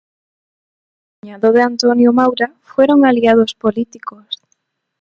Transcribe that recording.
Cuñado de Antonio Maura, fueron aliados políticos.